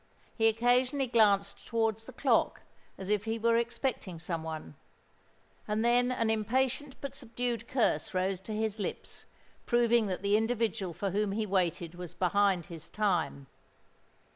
He occasionally glanced towards the clock as if he were expecting some one; and then an impatient but subdued curse rose to his lips, proving that the individual for whom he waited was behind his time.